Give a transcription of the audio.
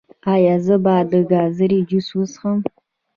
ایا زه باید د ګازرې جوس وڅښم؟